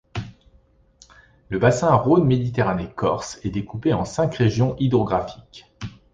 Le bassin Rhône-Méditerranée-Corse est découpé en cinq régions hydrographiques.